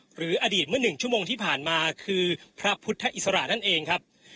หรืออดีตเมื่อ๑ชั่วโมงที่ผ่านมาคือพระพุทธอิสระนั่นเองครับ